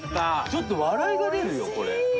ちょっと笑いが出るよこれ。